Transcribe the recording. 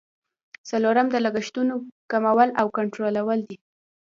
څلورم د لګښتونو کمول او کنټرولول دي.